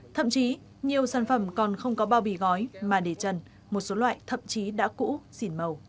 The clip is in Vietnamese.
thậm chí nhiều sản phẩm còn không có bao bì gói mà để chân một số loại thậm chí đã cũ xỉn màu